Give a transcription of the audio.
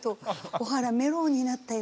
小原メローになったよ」